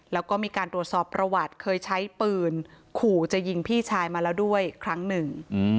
แล้วก็มีการตรวจสอบประวัติเคยใช้ปืนขู่จะยิงพี่ชายมาแล้วด้วยครั้งหนึ่ง